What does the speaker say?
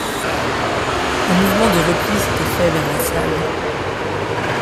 Un mouvement de repli s’était fait vers la salle.